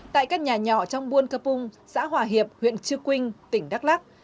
tại các nhà nhỏ trong buôn cà pung xã hòa hiệp huyện chư quynh tỉnh đắk lắc